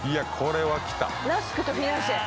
ラスクとフィナンシェ。